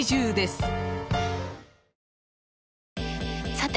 さて！